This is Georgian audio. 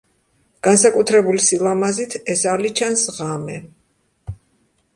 განსაკუთრებული სილამაზით ეს ალი ჩანს ღამე.